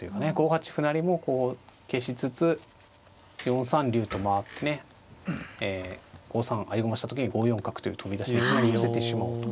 ５八歩成も消しつつ４三竜と回ってね５三合駒した時に５四角という飛び出しでいきなり寄せてしまおうと。